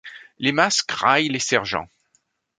les masques raillent les sergents